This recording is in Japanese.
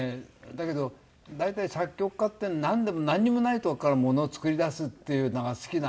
だけど大体作曲家ってなんにもないところからものを作り出すっていうのが好きな。